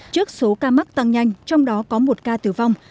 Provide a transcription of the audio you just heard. trước số ca mắc tăng nhanh trong đó có một ca tử vong